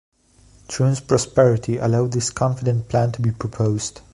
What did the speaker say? Troon's prosperity allowed this confident plan to be proposed.